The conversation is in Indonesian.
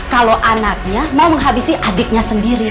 kalau anaknya mau menghabisi adiknya sendiri